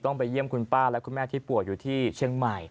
ไปเยี่ยมคุณป้าและคุณแม่ที่ป่วยอยู่ที่เชียงใหม่